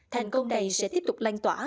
thành công này sẽ tiếp tục lanh tỏa